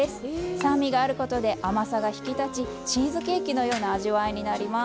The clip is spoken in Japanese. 酸味があることで甘さが引き立ちチーズケーキのような味わいになります。